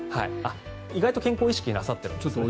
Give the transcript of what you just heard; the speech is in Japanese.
意外と健康意識なさっているんですね。